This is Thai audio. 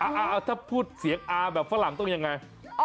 เอาถ้าพูดเสียงอาแบบฝรั่งต้องยังไง